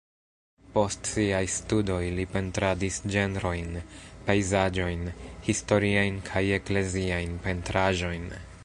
Post siaj studoj li pentradis ĝenrojn, pejzaĝojn, historiajn kaj ekleziajn pentraĵojn.